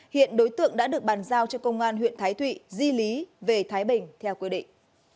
hiện đối tượng đã được bàn giao cho công an huyện thái thụy di lý về thái bình theo quy định